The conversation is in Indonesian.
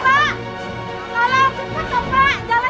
tolong cepat pak